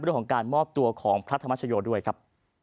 เรื่องของการมอบตัวของพระธรรมชโยด้วยครับ